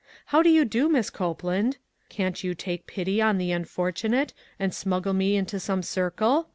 How do you do, Miss Copeland? Can't you take pity on the unfortunate, and smuggle me into some circle?